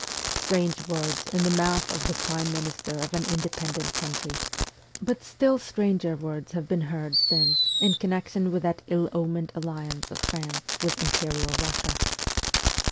Strange words in the mouth of the prime minister of an independent country ; but still stranger words have been heard since in con nection with that ill omened alliance of France with imperial Kussia.